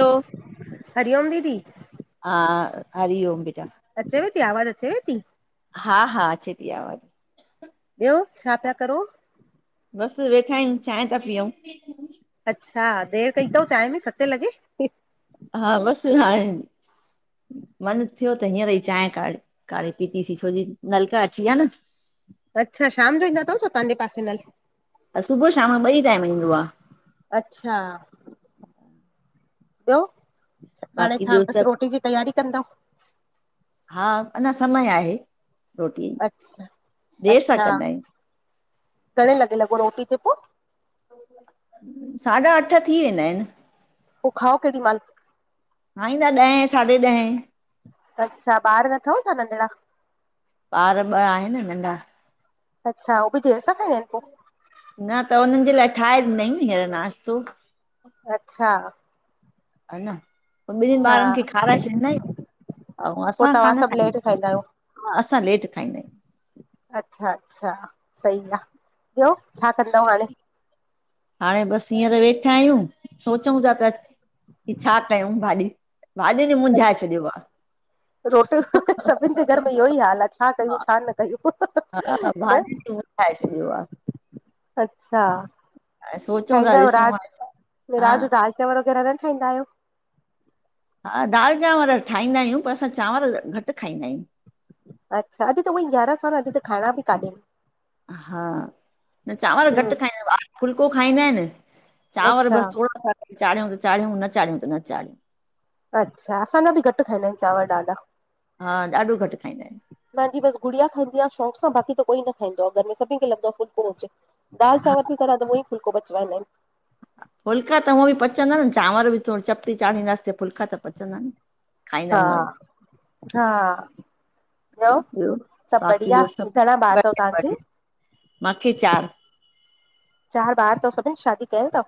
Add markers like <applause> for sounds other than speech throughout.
हा हरिओम दीदी। हा। हरी ओम ॿेटा। अचे वई थी आवाज़ अचे वई थी। हा, हा, अचे थी आवाज़ु। ॿियो छा पिया करो? बसि वेठा आहिनि चांहि ता पियऊ। अच्छा देरि कई तवं चांहि में सते लॻे। हा बसि हाणे। मन थियो त हींअर ई चांहि का काढ़े पीतीसीं छोजी नलका अची विया न। अच्छा। शाम जो ईंदा तव छा तव्हांजे पासे नल। सुबुह शाम जो ॿई टाइम ईंदो आ। अच्छा। ॿियो। हाणे बाक़ी छा ॿियो बसि सभु रोटी जी तयारी कंदा। हा। अञा समय आहे, रोटी, अच्छा देरि सां अच्छा कंदा आहियूं। घणे लॻे लॻो रोटी ते पोइ? साढा अठ थी वेंदा आहिनि। पो खाओ कहिड़ी माल? खां ईंदा ॾहें साढे ॾहें। अच्छा ॿार न तव था नंढिड़ा? ॿार ॿ आहिनि न नंढा। अच्छा। उहो बि देर सां खाईंन आहिनि पोइ? न त हुननि जे लाइ ठाहे ॾिनई न हींअर नाश्तो। अच्छा। अ न पोइ ॿिननि हा ॿारनि खे खाराए छॾींदाय ऐं पोइ असां तव्हां खान सभु लेट खाईं खाईंदा आहियो हा, असां लेट खाईंदा आहियूं। अच्छा। अच्छा सही आहे ॿियो छा कंदव हाणे? हाणे बसि हींअर वेठा आहियूं सोचूं था पयां। ही छा कयूं भाॼी, भातियुन मुंझाए छॾियो आ। रोटियूं सभिनि जे घर में इहो ई हाल आहे छा कयूं छा न। <unintelligible> हा, हा। भाॼी न ठाहे छॾियो आ। अच्छा। हाणे सोचूं था ठाहींदा आहियो ॾिसूं रात हाणे छा हा रात जो दालि चांवर वग़ैरह न ठाहींदा आहियो। हा दालि चांवर ठाहींदा आहियूं पर असां चांवर घटि खाईंदा आहियूं। अच्छा। अॼी त ऊहोई ग्यारस आ अॼी त खाइणा बि काननि। हा। न चांवर घटि आहिनि खाईंदा ॿ फुलको खाईंदा आहिनि। चांवर अच्छा बसि थोरो अस चाढ़ियूं त चाढ़ियूं न चाढ़ियूं त न चाढ़ियूं। अच्छा असांजा बि घटि खाईंदा आहिनि चांवर ॾाढा। हा ॾाढो घटि खाईंदा आहिनि मुहिंजी बस गुड़िया खाईी शौक़ु सां बाक़ी त कोई न खाईंदो आ घर में सभी खे लॻंदो आ फुल्को हुजे। दाल हा चावर बि करा त ऊह ई फुलको पचराईदा आहिन। फुलका त हूअं बि पचंदा न चांवर बि थोरो चपीटी चाढ़ींदासीं फुलका त पचंदा न। खाईंदा हा- हा ॿियो सभु बाक़ी बढ़िया, ॿियो घणा ॿार थव तव्हांखे? माखें चार। चार ॿार तव, सभिनि शादी कयल तव?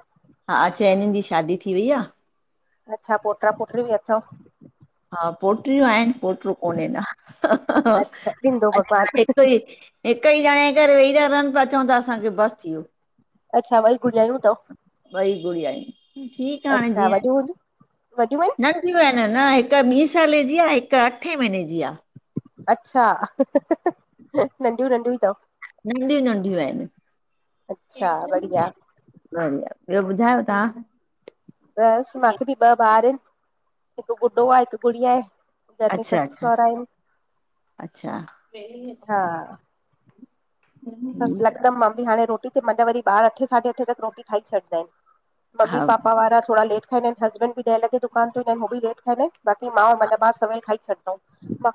हा चइनिनि जी शादी थी वई आ अच्छा, पोट्रा- पोट्री बि अथव? हा पोट्रियूं आहिनि, पोट्रो कोन्हे अंञां, अच्छा ॾींदो अॼुकल्ह भॻवान हिकु ई हिक ई ॼणें करे वेही ता रहनि पिया, चवन ता असांखे बसि थी वियो। अच्छा ॿई गुॾियाऊं ॿई गुड़ियायुं, ठीकु आ हाणे अच्छा जीअं, वॾियूं हूंदियूं वॾियूं आहिनि न नंढियुं आहिन न हिक ॿी सालें जी आ, हिक अठे महीने जी आ। अच्छा, नंढियूं- नंढियूं ई त तव नंढियूं -नंढियूं आहिनि। अच्छा बढ़िया बढ़िया, ॿियो ॿुधायो तव्हां बसि, माखे बि ॿ ॿार हिनि, हिकु ॻुॾो आ हिकु गुड़िया आहे। घर में अच्छा ससु अच्छा -सहुरा आहिनि, अच्छा हा बसि ठीकु आहे लॻदमि मां बी हाणे रोटी ते, मांजा वरी ॿार अठे साढे अठे तक रोटी खाई छॾदा हिनि। हा मम्मी पापा वारा थोड़ा लेट खाईंदा हिन, हसबैंड बि ॾहें लॻे दुकान तों ईदां हिनि हू बि लेट खाईदां हिनि। बाक़ी मां अंउं मांजा ॿार सवेल खाई छॾंदाऊं,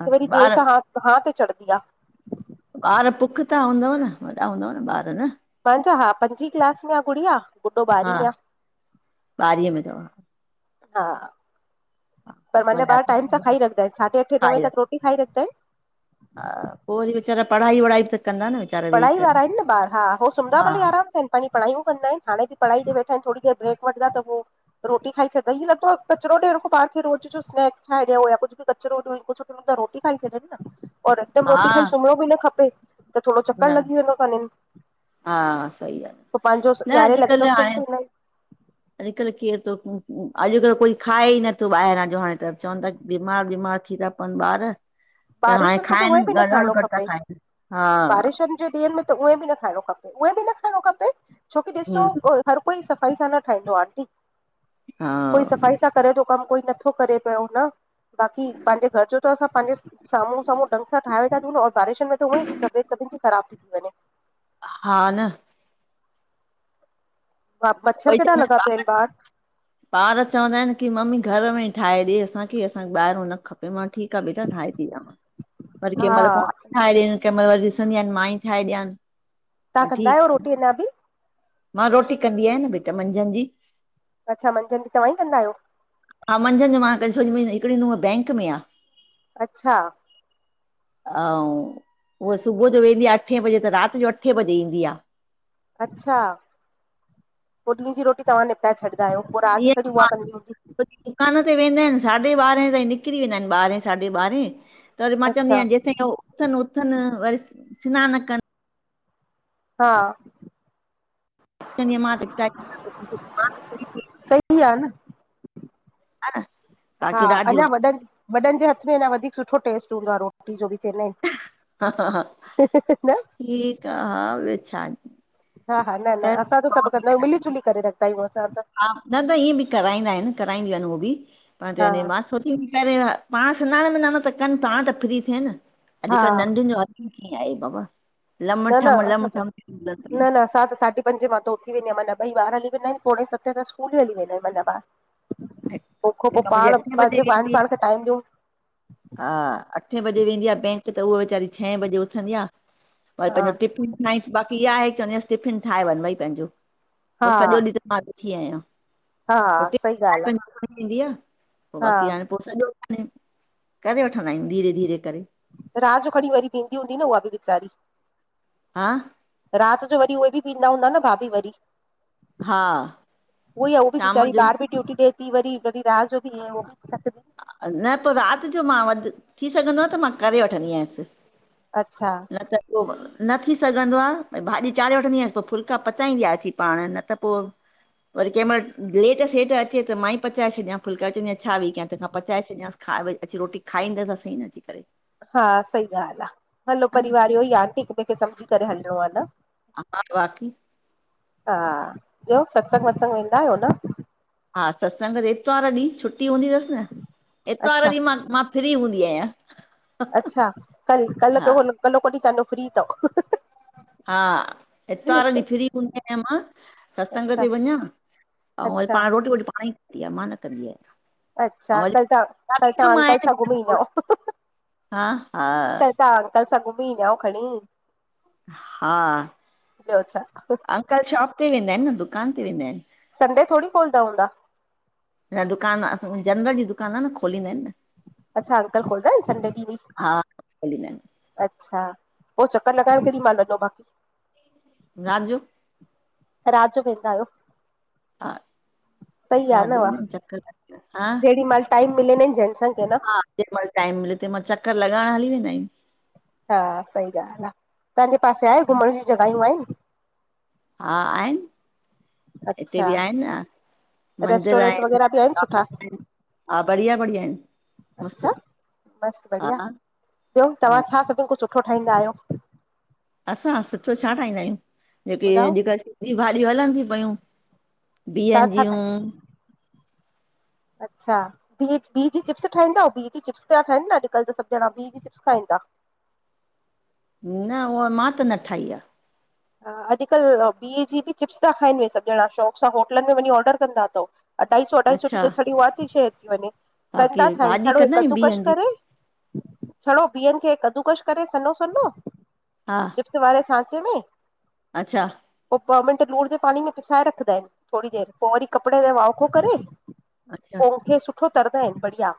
हा, वरी देरि ॿार सां हा हां ते चढ़ंदी आ। ॿार पुख्ता त हूंदव न, वॾा हूंदव न ॿार न मांजा हा पंजी क्लास में आ गुड़िया, ॻुॾो ॿारहीं हा में आ। ॿारीअ में अथव हा, पर मांजा वॾा ॿार थियव टाइम सां त खाई रखंदा हिनि साढे अठे नवे खाई तक वठो रोटी खाई रखदा हिनि। हा, पो वरी विचारा पढ़ाई वढाई बि त कंदा न वीचारा वेही पढ़ाई करे वारा हिनि न ॿार, हा हो सुमदा हा भली आराम सां इनि पांजी पढ़ायूं कंदा हिनि, हाणे बि पढ़ाई ते वेठा हिनि, थोड़ी देरि ब्रेक वठंदा त पो रोटी खाई छॾंदा, हीअं लॻदो आ कचरो ॾियण खां ॿार खे रोज़ जो स्नेक्स ठाहे ॾियंउं या कुछु बि कचरो ॾियुं, हिनखुं सुठो त रोटी खाई छॾंन न, और हिकदमि रोटी हा खाई सुम्हिणो बि न खपे थोड़ो न चक्कर लॻी वेंदो तनि इनि हा सही आहे पो पांजो न यारहें लॻे अॼुकल्ह तउं हाणे सुम्ह पईंदा हिन। अॼुकल्ह केरु तो, अॼुकल्ह कोई खाए ई नथो ॿाहिरां जो हाणे त, चवनि ता बीमार -बीमार थी ता पवनि ॿार, त हाणे बारिशुनि में उहे खाइनि ॾाढाणो घटि था खाइनि, हा शन जे ॾीहन में त उहें बि न खाइणो खपे, उहे बि न खाइंणो खपे, छोकी ॾिसो हम्म हर कोई सफ़ाई सां न ठाहींदो आ आंटी, हा कोई सफ़ाई सां करे थो कम कोई नथो करे पियो न, बाक़ी पांजे घर जो त असां पांजे स साम्हूं -साम्हूं ढंग सां ठाहे व ता ॾियूंन, और बारिशनि त उहेंई तबियत सभिनि जी ख़राब थी वंञें। हा न हा, मच्छर ॿई केॾा ॼंणां लॻा पिया आहिनि ॿार <unintelligible> ॿार चवंदा हिनि की मम्मी घर में ई ठाहे ॾे असांखे, असांखे ॿाहिरो न ख -खपे, मां ठीकु आ बेटा ठाहे ती ॾियांव। <inaudible> वरी कंहिं महिल कुवांर ठाहे ॾियेन, वरी कंहिं महिल वरी ॾिसंदी आयान मां ई ठाहे ॾियांनि। तव्हां हा कंदा ठीक आहियो आ, रोटी अञा बि मां रोटी कंदी आहियां न बेटा मंझंदि जी अच्छा, मंझंद जी तव्हां ई कंदा आहियो? हा मंझंदि जो मां कंदी, छोकी मुंजी हिकिड़ी नूंहं बैंक में आ अच्छा। अऊं, उहा सुबुह जो वेंदी आह, अठे बजे त राति जो अठे बजे ईंदी आह। अच्छा। पोइ ॾींं जी रोटी तव्हां निपटाए छॾदा आहियो। पोइ राति कॾी उहा कंदी हूंदी? कान ते वेंदा आहिनि, साढे ॿारह ताईं निकिरी वेंदा आहिनि ॿारहें साढी ॿारहें, त वरी मां चवंदी अच्छा आयां जेसीं उथनि- उथनि, वरी सिनान कनि हा चवंदी आहियां मां त स <unintelligible> इ आहे न <unintelligible> अ <unintelligible> हा अञां वॾनि, वॾनि जे हथ में अञा वधीक सुठो टेस्ट हूंदो रो जो बि चेइनान ना <unintelligible> ठीकु आह, हा ॿियो छा। हा- हा, न- न, असां त सभु कंदा आहियूं कर। मिली- जुली करे रखदा आहियूं असां त। हा, न त इअं बि कराईंदा आहिनि, कराईंदियूं आहिनि हो बि, पाण हा चयोे मां सोचींदी पाण सिनान- विनान त कनि, पाण त फ्री थियन। हा अॼुकल्ह नंढियुनि जो हथ कींअ आई बाबा, लम ठम ल थ म <unintelligible> परसाद सा <unintelligible> पंजे मां त उथी वेंदी आयां मां जा ॿई ॿार हली वेंदा आहिनि। पोणे सतें त स्कूल ई हली वेंदा आहिनि मांजा ॿार। तैंखो पोइ जेका मुंहिंजी पाण, अठे बजे पंहिंजो पाण, वेंदी आहे, पाण खे टाइम ॾियूं। हा अठे बजे वेंदी आह बैंक, त उहा वेचारी छहें बजे उथंदी आह। पर हा पंहिंजो टिफ़िन ठाहंसि, बाक़ी इहा आहे चवंदी आयांसि, टिफ़िन ठाहे वञ भई पंहिंजो, पो हा सॼो ॾींहुं मां ॾुखी आहियां। हा सही ॻाल् पी पेंदी आहे पोइ बाक़ी हाण पोइ सॼो कमु, करे वठंदा आहियूं धीरे- धीरे करे। रात जो खणी वरी वींदी हूंदी न उहा बि वीचारी। हा? राति जो वरी उहे बि पींदा हूंदा न भाभी वरी। हा उहो ई आह उहा बि शाम बेचारी जो ॿाहर बि ड्यूटी ॾे। वरी- वरी रात जो बि उ बि <unintelligible> न पोइ राति जो मां वध थी सघंदो आह त मां करे वठंदी आयांसि। अच्छा। थ <inaudible> न थी सघंदो आह भई भाॼी चाढ़े वठंदी आयांसि पोइ फुलका पचाईंदी आहे, अची पाण, न त पोइ वरी कंहिं महिल लेट-सेट अचे, त मां ई पचाए छॾियां। फुल्का चईंदी अहियां छा वेई कयां, तंहिंखां‌ पाए छॾियां। खा वेई अची रोटी खाईंदि सही न अची करे। हा सही ॻाल्हि आह, हलो हा न परिवार इहो ई आ आंटी, हिक-ॿिए खे सम्झी करे हलणो आह न। हा बाक़ी <unintelligible> हा ॿियो, सत्संग-वत्संग वेंदा आहियो न। हा सत्संग त ईतवार ॾींहुं, छुटी हूंदी अथसि न, एतवार अच्छा ॾींहुं मां, मां फ्री हूंदी आहियां। अच्छा, कल, कल्ह, हा कल्होको ॾींहुंँ तव्हांजो फ्री अथव हा, एतवार ॾींहुं फ्री हूंदी आहियां मां, सत्संग अच्छा ते वञां। अऊं वरी अच्छा पाण रोटी- वोटी पाण ई कंदी आह मां न कंदी आहियां। ऐं अच्छा वरी कल्ह तहां, मुंहिंजा कल्ह बि तहां कम अंकल आहिनि सां घुमी ईंदो। हा हा त अंकल सां घुमी ईदांअ खणी। हाअ ॿियो छा अंकल शॉप ते वेंदा आयन न दुकान ते वेंदा आयन। संडे थोड़ी घोलदा हूंदा। अ दुकान जनरल ॼी दुकान आ न खोलींदा आयन न। अच्छा अंकल खोलदा आयन संडे ॾी ॿि। हा खोलींदा अच्छा पो चक्कर लॻाइण केॾी मल वॼो इ बाक़ी। रात ॼो। रात ॼो वेंदा आयो। हा आहे रात ॿि वाह, न चक्कर हा। जेॾी महिल टाइम मिले नं जैंटसन खे। न हा जेमल टाइम मिले तेंमल चक्कर लॻाइण हली वेंदा आयूं। हा सई ॻाल आ तांॼे पासे आये घुमण ॼी जॻयूं आयन। हा आयन हिते अच्छा ॿि आयन न। मंदिर रेस्टोरेंट आयन वग़ैरह बि आहिनि सुठा हा बढ़िया-बढ़िया आयन मस्त। बस बढ़िया ॿयो तां छा सॿिन कुछ सुठो ठाईदा आयो। असां सुठो छा ठाघदा आयूं जेके ॿुधायो अॼुकल सिंधी भाॼियूं हलन ती पयूं। छा बिहन छा ॼीयु। ठाहे अच्छा बी बी ॼी चिप्स ठाईंदा बी ॼी चिप्स ता ठाहन न अॼकल त सभणा बी। चिप्स खाईंदा। न उयो मां त न ठाई आ। ह अॼकल बिह ॼी ॿि चिप्स ता खाइन उहे सॿ ॼणा शौक़ सां होटलन में वञी ऑर्डर कंदा तव। अढाई सौ अढाई सौ ॼी अच्छा त छड़ी उ थी शइ अची वञे बाक़ी कंदा छा भाॼी छड़ो कंदा आहियूं कदू कश बिहनि जी करे। छड़ो बिहन खे कद्दूकस करे सनो सनो। हा चिप्स वारे सांचे में। अच्छा पो ॿ मिंट लूण जे पाणी में पिसाए रखंदा आयन थोरी देर पो वरी कपड़े ते वाखो करे। अच्छा पो उनखे सुठो तरंदा आयन बढ़िया।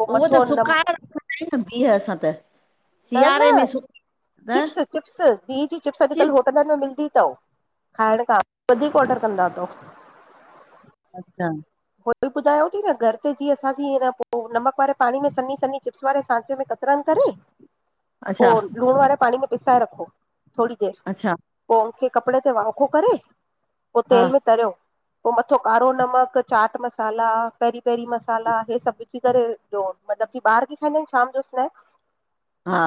पोइ उहो त मथो न सुकाए आ <inaudible> न बीह असां त। न-न सियारे में सु त चिप्स-चिप्स बी ॼी चिप्स अॼकल चिप होटलन में मिलंदी। तव खाइण खां वधीक ऑर्डर कंदा तव। अच्छा हो ॿि ॿुधायो थी न घर ते जीअं असांजी पो नमक वारे पाणी में सनी-सनी। चिप्स वारे सांचे में कतरन करे। पो अच्छा लूणु वारे पाणी में पिसाए रखो थोड़ी देर। अच्छा पो उनखे कपिड़े ते वाखो करे पो हा तेल में तरयो। पो मथो कारो नमक, चाट मसाला, पेरी-पेरी मसाला हे सॿ। अची करे जयो मतलबु ॼी ॿार खाईंदा आयन शाम ॼो स्नैक्स। हा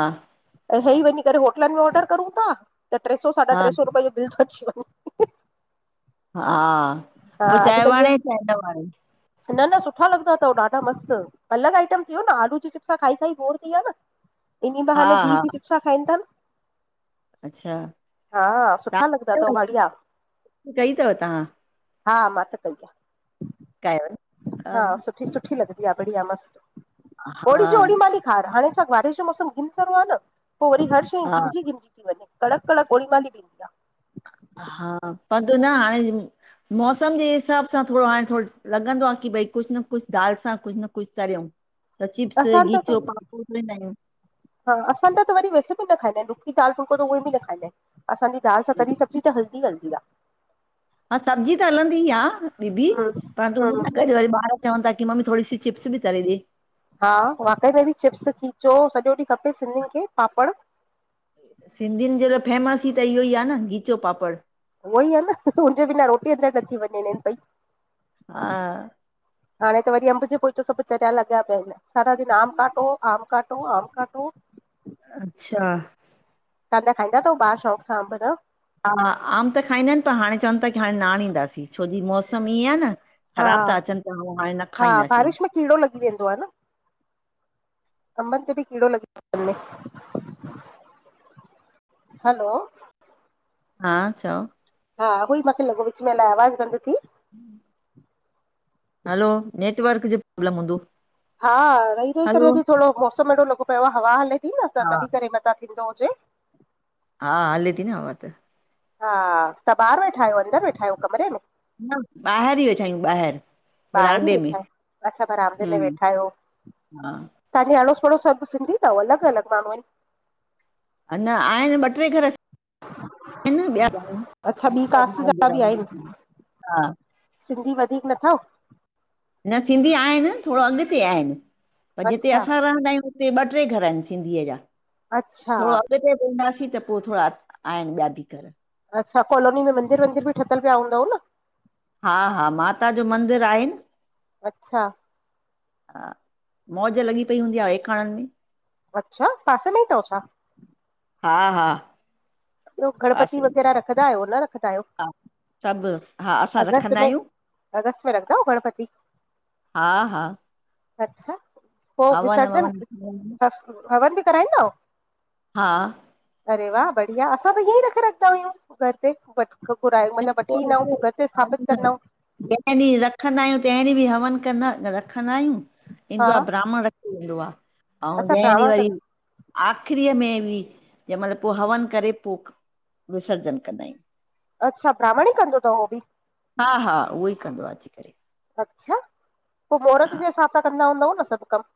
हे वञी करे होटलन में ऑडर करूं ता त टे सौ, साढा हा टे सौ रुपये ॼो बिल थो अची वञे। <inaudible> हा पो हा चांये अॼुकल्ह इहे वणे चांये न वणे। न न सुठा लॻंदा अथव ॾाढा न-न सुठा लॻदां तव ॾाॾा मस्त अलॻ आइटम थी वयो न आलू ॼी चिप्स सां खाई-खाई बोर थी वया न। इन हा बहाने बी हा ॼी चिप्सा खाइन था न। अच्छा हा सुठा लॻंदा अथव तव्हां बढ़िया। कई अथव तव्हां हा मां त कई बार, कयो हा सुठी-सुठी लॻंद बढ़िया-बढ़िया मस्त हा ओड़ी जो ओड़ी माली ॾिखार हाणे त बारिश जो मौसम घिमसारो आ न पोइ वरी हर शइ हा घिमजी- घिमजी थी वञे कड़क-कड़क ओड़ी माल बि ईंदी आ। हा पद त न हाणे मौसम जे हिसाब सां थोरो हाणे थोरो लॻंदो आ की भई कुझु न कुझु दाल सां कुझु न कुझु तरियउं। त आहे चिप्स असांजा गीचो त पापड़ न तरियउं। हा असां त वरी वेस बि न खाईंदा आहिन रुखी दाल, फुलिको त उहे बि न खाईंदा आहिन। असांजी दालि सां तली सब्जी त हलदी- हलदी आ। हा सब्जी त हलंदी आ दीदी। आहे हम्म पर तू उन हम्म सां गॾु वरी ॿार चवनि ता की मम्मी थोरी सी चिप्स बि तरे ॾे। हा वाकई में बि चिप्स खीचो सॼो ॾींहुं खपे सिंधियुनि खे पापड़ सिंधियुनि जे लाइ फेमस ई त इहो ई आ न ॻीचो पापड़। उहो ई आ न हुनजे बिना रोटी अंदरि न थी वञे पई। हा। हाणे त वरी अंब जे पोइ थो सभु चरिया लॻि पिया आहिन। सारा दिन आम काटो, आम काटो आम काटो। अच्छा। तां जा खाईंद अथव ॿाार शौंक़ सां अंब न? हा आम त खाईंदा आहिन पर हाणे चवनि था की हाणे नाणींदासीं, छोजी मौसम ईअं आ न। हा ख़राब था अचनि त ह हाणे न हा खाईंदासीं। बारिश में कीड़ो लॻी वेंदो आहे न। अंबनि ते बि कीड़ो लॻी ते वञे। हलो। हा चओ। हा उहो ई माखे लॻो विच में अलाए आवाज़ बंदि थी। हम हलो, नेटवर्क जो प्रॉब्लम हूंदो। हा रही रही करे हलो अॼु थोरो मौसम हेॾो लॻो पियो आहे हवा हले थी न त हा तॾीं करे मथां थींदो हुजे। हा हले थी न हवा त। हा तां ॿाहरि वेठा आहियो अंदरि वेठा आहियो कमरे में? न ॿाहिरि ई वेठा आहियूं ॿाहिरि। ॿाहिरि ई विरांडे में वेठा आहियो। अच्छा पर बरामदे में हम वेठा आहियो। हा तांखे अड़ोस पड़ोस सभ सिंधी थव अलॻि अलॻि माण्हू आहिन? अञा आहिनि ॿ टे घर आहिन ॿिया अच्छा ॿी कास्ट जा बि आहिनि घण‌ई। हा। सिंधी वधीक न थव? न सिंधी आहिन थो‌ड़ो अॻिते आहिनि पर जिते अच्छा असां रहंदा आहियूं उते ॿ टे घर आहिनि सिंधीअ जा। अच्छा। थोरो अॻिते वेंदासीं त पो थोड़ा आहिनि ॿिया बि घर। अच्छा कोलोनी मंदर वंदर बि ठतल पिया हूंदव न? हा हा माता जो मंदिर आहे न। अच्छा। हा मौज लॻी पई हूंदी आ ‌एकाणनि में। अच्छा, पासे में ई तव छा? हा हा ॿयो, गणपति पासे वग़ैरा रखदायो न रखदायो? सभ, हा असां में रखंदायूं। अगस्त में रखंदा आहियो गणपति हा हा अच्छा, पो हवन विसर्जन, ववन थींदा आहिनि। हवन बि कराईंदाओ? हा अरे वाह! बढ़िया, असां त ईएई रखे रखदायूं, घर ते घर घुराए, ऐं मतलब वठी पोइ ईंदाऊं, हिते पो घर ते हवन, स्थापित कंदाऊं। जंहिं ॾींह रखंदायूं, तंहिं ॾींह बि हवन कंदा रखंदायूं, हा ईंदो आ ब्राह्मण र रखी वेंदो आ, अएं अच्छा जंहिं ॾींह ब्राह्मण वरी कंदो आख़रीअ में बि जैं महल पो हवन करे, पो विसर्जन कंदायूं। अच्छा, ब्राह्मण ही कंदो तव, हो बि? हा हा, उहोई कंदो आ, अची करे। अच्छा, पो मौरत जे हिसाब सां कंदा हूंदव न सभ कम?